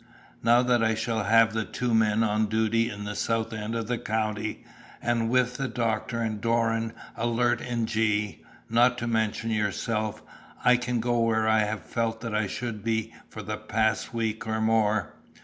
"Now that I shall have the two men on duty in the south end of the county, and with the doctor and Doran alert in G , not to mention yourself, I can go where I have felt that I should be for the past week or more.